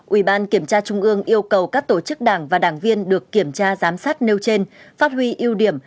ủy ban kiểm tra trung ương yêu cầu các tổ chức đảng và đảng viên được kiểm tra giám sát nêu trên phát huy ưu điểm